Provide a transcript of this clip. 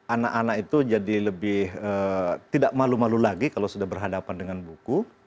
anak anak itu jadi lebih tidak malu malu lagi kalau sudah berhadapan dengan buku